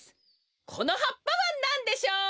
このはっぱはなんでしょう？